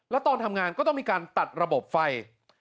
แล้วตอนทำงานก็ต้องมีการตัดระบบไฟ